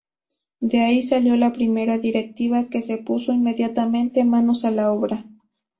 De ahí salió la primera directiva, que se puso inmediatamente manos a la obra.